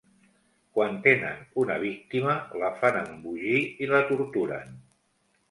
Quan tenen una víctima la fan embogir i la torturen.